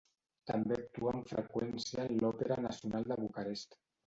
També actua amb freqüència en l'Opera nacional de Bucarest.